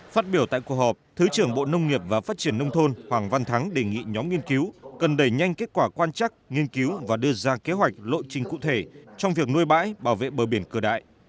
phát biểu tại cuộc họp thứ trưởng bộ nông nghiệp và phát triển nông thôn hoàng văn thắng đề nghị nhóm nghiên cứu cần đẩy nhanh kết quả quan trắc nghiên cứu và đưa ra kế hoạch lộ trình cụ thể trong việc nuôi bãi bảo vệ bờ biển cửa đại